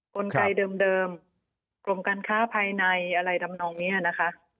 กลไกเดิมกรมการค้าภายในอะไรทำนองนี้นะคะ